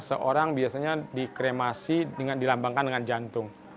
seorang biasanya dikremasi dengan dilambangkan dengan jantung